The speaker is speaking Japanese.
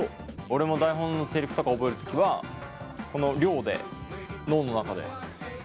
俺も台本のセリフとか覚える時はこの量で脳の中で。